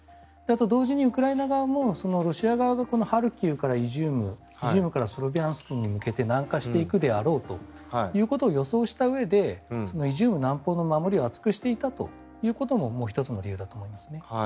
同時に、ウクライナ側もロシア側がハルキウからイジュームイジュームからスロビャンスクに向けて南下していくだろうと予想したうえでイジューム南方の守りを厚くしていたということも１つの理由だと思いますね。